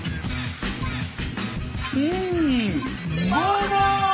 うん。